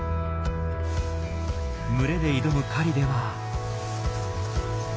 群れで挑む狩りでは。